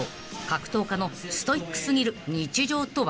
格闘家のストイック過ぎる日常とは？］